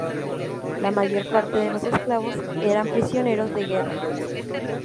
La mayor parte de los eslavos eran prisioneros de guerra.